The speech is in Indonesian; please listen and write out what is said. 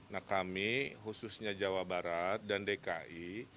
nah kami khususnya jawa barat dan dki